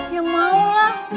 ya mau lah